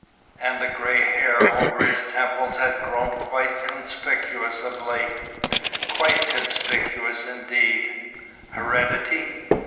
And the gray hair over his temples had grown quite conspicuous of late, quite conspicuous indeed. Heredity?